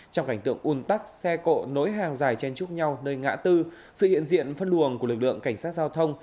trong cảnh tượng un tắc xe cộ nối hàng dài chen chúc nhau nơi ngã tư sự hiện diện phân luồng của lực lượng cảnh sát giao thông